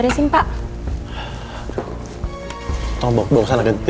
kenapa aku kepikiran andin terus ya